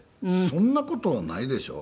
そんな事はないでしょ？